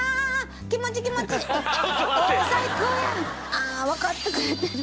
ああわかってくれてる。